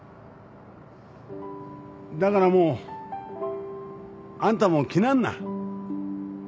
だからもうあんたも来なんな。